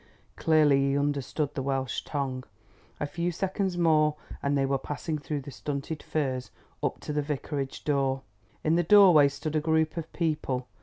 Clearly, he understood the Welsh tongue. A few seconds more and they were passing through the stunted firs up to the Vicarage door. In the doorway stood a group of people.